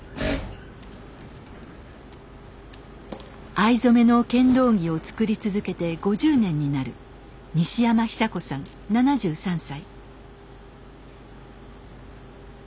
藍染めの剣道着を作り続けて５０年になる西山久子さん７３歳。